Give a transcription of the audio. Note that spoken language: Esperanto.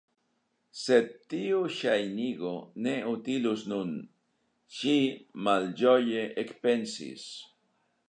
"Sed tiu ŝajnigo ne utilus nun" ŝi malĝoje ekpensis.